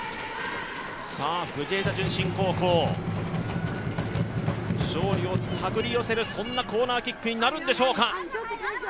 藤枝順心高校、勝利を手繰り寄せるコーナーキックになるんでしょうか。